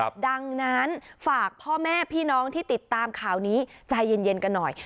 ดังนั้นฝากพ่อแม่พี่น้องที่ติดตามข่าวนี้ใจเย็นกันหน่อย